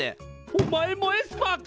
おまえもエスパーか！